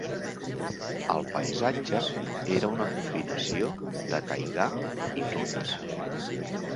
El paisatge era una combinació de taigà i tundra.